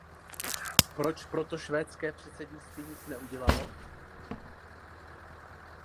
Proč pro to švédské předsednictví nic neudělalo?